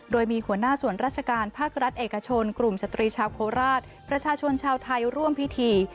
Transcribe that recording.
โดยมีหัวหน้าส่วนราชการภาครัฐเอกชนกลุ่มสตรีชาวโคราชประชาชนชาวไทยร่วมพิธี